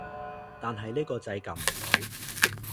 但係呢個掣撳唔到